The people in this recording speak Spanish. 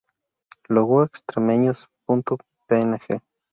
Logo Extremeños.png